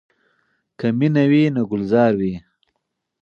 که مینه وي نو ګلزار وي.